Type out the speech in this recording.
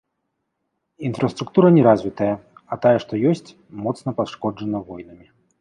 Інфраструктура неразвітая, а тая што ёсць, моцна пашкоджана войнамі.